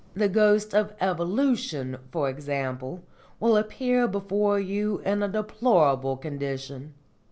The ghost of Evolution, for example, will appear before you in a deplorable condition.